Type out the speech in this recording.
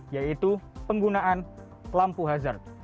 yaitu penggunaan lampu hazard